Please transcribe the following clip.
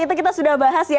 itu kita sudah bahas ya